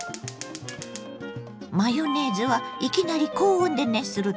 マヨネーズはいきなり高温で熱すると分離しやすいの。